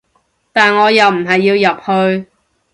但我又唔係要入去